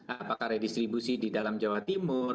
apakah redistribusi di dalam jawa timur